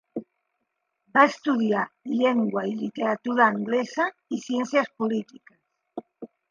Va estudiar Llengua i Literatura Anglesa i Ciències Polítiques.